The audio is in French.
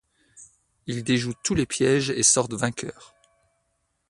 Ils déjouent tous les pièges et sortent vainqueurs.